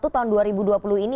tahun dua ribu dua puluh ini